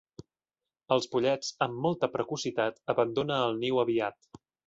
Els pollets, amb molta precocitat, abandona el niu aviat.